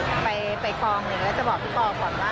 ก็จะไปกองเนี่ยแล้วจะบอกพี่ป่อขอบว่า